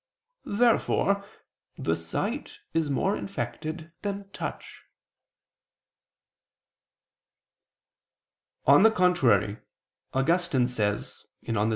Therefore the sight is more infected than touch. On the contrary, Augustine says (De Civ.